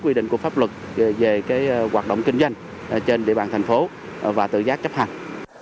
quy định của pháp luật về hoạt động kinh doanh trên địa bàn thành phố và tự giác chấp hành